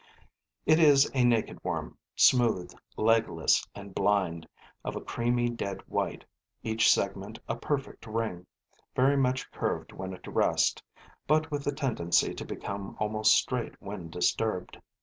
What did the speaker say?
It is a naked worm, smooth, legless and blind, of a creamy dead white, each segment a perfect ring, very much curved when at rest, but with the tendency to become almost straight when disturbed.